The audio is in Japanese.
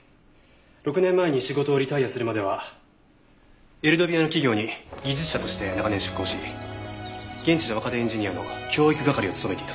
６年前に仕事をリタイアするまではエルドビアの企業に技術者として長年出向し現地の若手エンジニアの教育係を務めていたそうです。